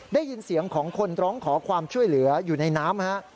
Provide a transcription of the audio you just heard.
ได้ยินเสียงของคนร้องขอความช่วยเหลืออยู่ในน้ำฮะ